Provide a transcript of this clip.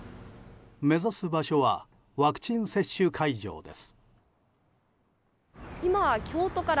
目指す場所はワクチン接種会場です。